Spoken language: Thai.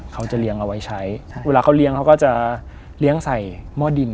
เขาจะเลี้ยงเอาไว้ใช้เวลาเขาเลี้ยงเขาก็จะเลี้ยงใส่หม้อดิน